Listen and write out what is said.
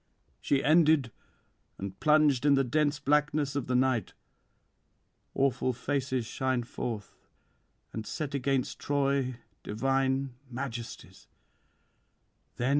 'She ended, and plunged in the dense blackness of the night. Awful faces shine forth, and, set against Troy, divine majesties